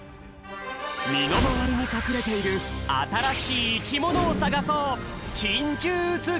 みのまわりにかくれているあたらしいいきものをさがそう！